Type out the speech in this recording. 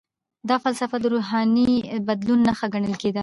دا فلسفه د روحاني بدلون نښه ګڼل کیده.